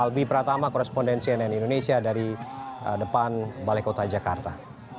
albi pratama korespondensi nn indonesia dari depan balai kota jakarta